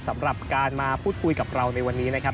สำหรับการมาพูดคุยกับเราในวันนี้นะครับ